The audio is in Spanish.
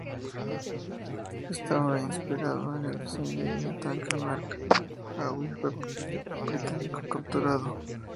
Estaba inspirado en el diseño de un tanque Mark A Whippet británico capturado.